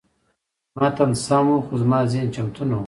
متن سم و، خو زما ذهن چمتو نه و.